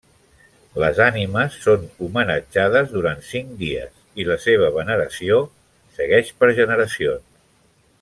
Les animes són homenatjades durant cinc dies i la seva veneració segueix per generacions.